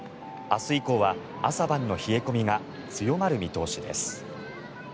明日以降は朝晩の冷え込みが強まる見通しです。